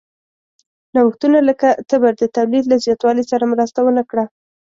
نوښتونه لکه تبر د تولید له زیاتوالي سره مرسته ونه کړه.